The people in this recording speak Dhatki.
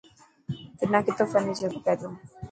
تنا ڪتو فرنيچر کپي تو.